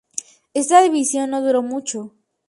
Esta división no duró mucho.